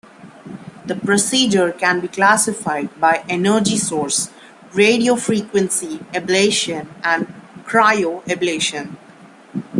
The procedure can be classified by energy source: radiofrequency ablation and cryoablation.